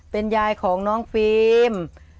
เป็นยายของน้องฟิล์ม